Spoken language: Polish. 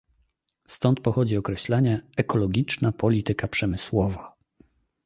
Stąd pochodzi określenie "ekologiczna polityka przemysłowa"